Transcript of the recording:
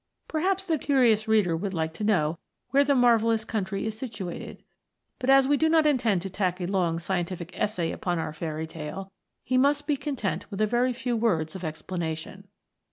Perhaps the curious reader would like to know where the marvellous country is situated, but as we do not intend to tack a long scientific essay upon our fairy tale, he must be content with a very few words of explanation.